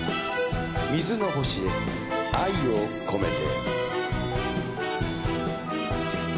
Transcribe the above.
『水の星へ愛をこめて』。